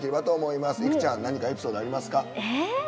いくちゃんエピソードありますか？